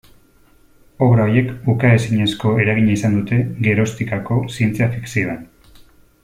Obra horiek ukaezinezko eragina izan dute geroztikako zientzia-fikzioan.